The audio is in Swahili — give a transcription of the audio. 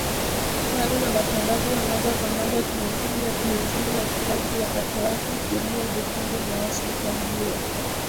Mbali na matangazo ya moja kwa moja tuna vipindi vya televisheni vya kila wiki vya Afya Yako, Zulia Jekundu na Washingotn Bureau